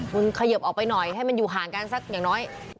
คุณเขยิบออกไปหน่อยให้มันอยู่ห่างกันสักอย่างน้อย